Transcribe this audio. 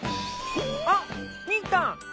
あっみーたん